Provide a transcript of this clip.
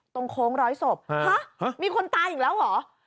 โค้งร้อยศพฮะมีคนตายอีกแล้วเหรอ